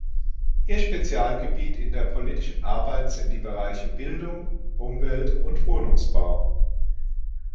Ihr Spezialgebiet in der politischen Arbeit sind die Bereiche Bildung, Umwelt und Wohnungsbau.